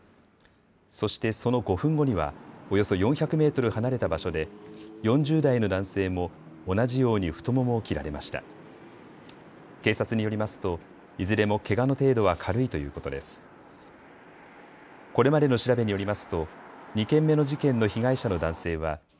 そしてその５分後にはおよそ４００メートル離れた場所で４０代の男性も同じように太ももを切られました。